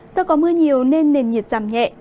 do có mưa nhiều nên nền nhiệt giảm nhẹ